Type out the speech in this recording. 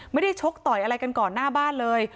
ชกต่อยอะไรกันก่อนหน้าบ้านเลย